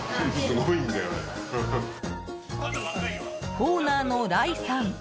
オーナーのライさん。